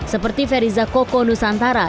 seperti feriza koko nusantara